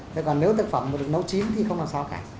thế còn nếu thực phẩm mà được nấu chín thì không làm sao cả